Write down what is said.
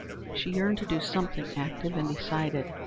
She yearned to do something active and decided.